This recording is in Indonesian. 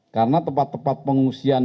karena tempat tempat pengungsian